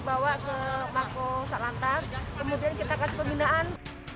bawa ke mako satlantas kemudian kita kasih pembinaan